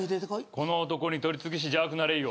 この男に取りつきし邪悪な霊よ